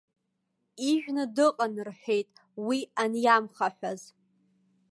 Ижәны дыҟан, рҳәеит, уи аниамхаҳәаз.